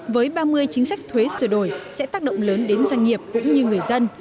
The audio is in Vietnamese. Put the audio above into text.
với ba mươi chính sách thuế sửa đổi sẽ tác động lớn đến doanh nghiệp cũng như người dân